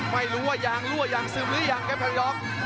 ไม่รู้ว่ายังรู้ว่ายังซึมหรือยังครับคลิรองก์